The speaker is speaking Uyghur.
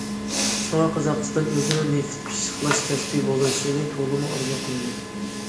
شۇڭا، قازاقىستان ئۆزىنىڭ نېفىت پىششىقلاش كەسپى بولۇشىنى تولىمۇ ئارزۇ قىلىدۇ.